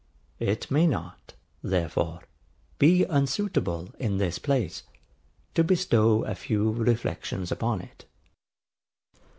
It may not, therefore, be unsuitable, in this place, to bestow a few reflections upon it.